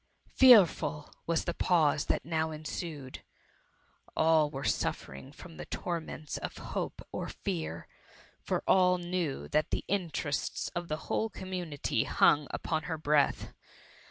Fearful was the pause that now ensued ! All were suffering from the torments of hope or fear ; for all knew that the interests of the whole community hung upon her breath.